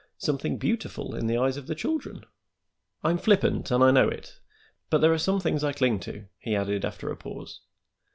something beautiful in the eyes of the children?" "I'm flippant, and I know it, but there are some things I cling to," he added, after a pause.